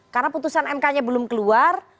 karena putusan mk nya belum keluar